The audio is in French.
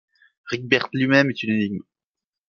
Ricberht lui-même est une énigme.